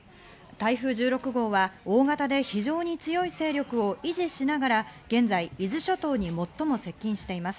台風１６号は大型で非常に強い勢力を維持しながら、現在、伊豆諸島に最も接近しています。